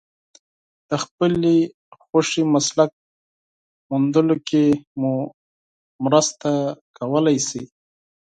د خپلې خوښې مسلک موندلو کې مو مرسته کولای شي.